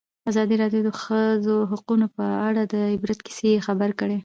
ازادي راډیو د د ښځو حقونه په اړه د عبرت کیسې خبر کړي.